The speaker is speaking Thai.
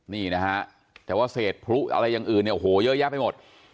นี่นะฮะแต่ว่าเศษพลุอะไรอย่างอื่นเนี่ยโอ้โหเยอะแยะไปหมด